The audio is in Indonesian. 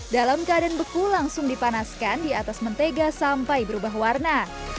dalam keadaan beku langsung dipanaskan di atas mentega sampai berubah warna